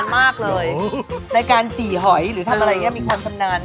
เน็กพวกนี้เขาจะไม่ชำนาญ